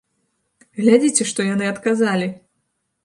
Глядзіце, што яны адказалі!